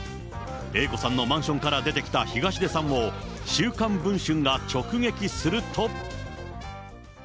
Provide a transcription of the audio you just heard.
Ａ子さんのマンションから出てきた、東出さんを、週刊文春が直撃すると。